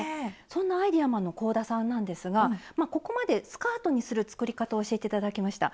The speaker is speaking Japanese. そんなアイデアマンの香田さんなんですがここまでスカートにする作り方を教えて頂きました。